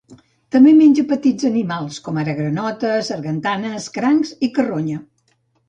També menja petits animals, com ara granotes, sargantanes, crancs i carronya.